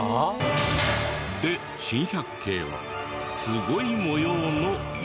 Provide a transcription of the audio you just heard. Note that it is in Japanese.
で珍百景はすごい模様の石。